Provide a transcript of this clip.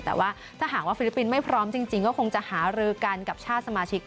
แต่ว่าถ้าหากว่าฟิลิปปินส์ไม่พร้อมจริงก็คงจะหารือกันกับชาติสมาชิก